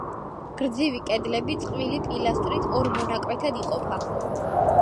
გრძივი კედლები წყვილი პილასტრით ორ მონაკვეთად იყოფა.